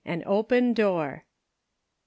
AN OPEN DOOE.